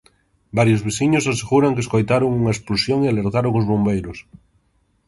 Varios veciños aseguran que escoitaron unha explosión e alertaron os bombeiros.